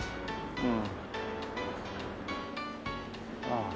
うん。